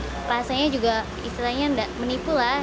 kalau di sini selain rasanya juga istilahnya enggak menipu lah